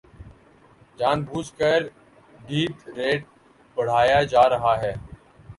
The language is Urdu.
جان بوجھ کر ڈیتھ ریٹ بڑھایا جا رہا ہے